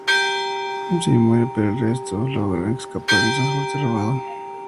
Dempsey muere, pero el resto logra escapar en un transporte robado.